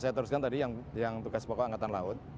saya teruskan tadi yang tugas pokok angkatan laut